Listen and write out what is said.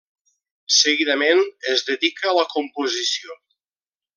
Seguidament, es dedica a la composició.